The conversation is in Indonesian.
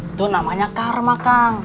itu namanya karma kang